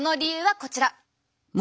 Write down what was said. こちら。